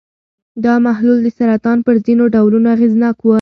دا محلول د سرطان پر ځینو ډولونو اغېزناک و.